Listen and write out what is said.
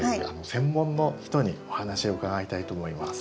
専門の人にお話を伺いたいと思います。